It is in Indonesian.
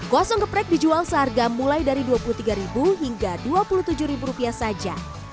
kosong geprek dijual seharga mulai dari dua puluh tiga hingga dua puluh tujuh rupiah saja